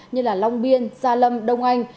như long biên gia lâm đông anh